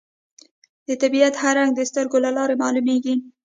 د طبیعت هر رنګ د سترګو له لارې معلومېږي